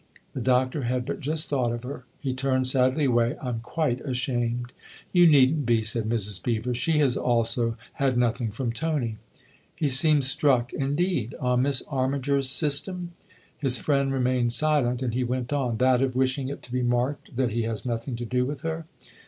The Doctor had but just thought of her; he turned sadly away. "I'm quite ashamed !" "You needn't be," said Mrs. Beever. "She has also had nothing from Tony." He seemed struck'. " Indeed ? On Miss Armi ger's system ?" His friend remained silent, and he went on :" That of wishing it to be marked that he has nothing to do with her